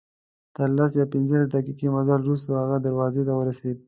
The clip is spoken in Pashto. تر لس یا پنځلس دقیقې مزل وروسته هغې دروازې ته ورسېدو.